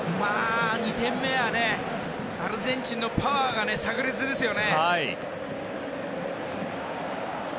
２点目はアルゼンチンのパワーが炸裂ですよね。